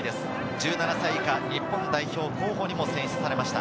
１７歳以下、日本代表候補にも選出されました。